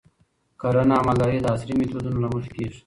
کرنه او مالداري د عصري میتودونو له مخې کیږي.